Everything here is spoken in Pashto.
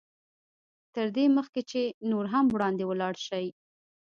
تر دې مخکې چې نور هم وړاندې ولاړ شئ.